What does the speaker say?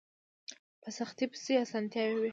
په سختۍ پسې اسانتيا وي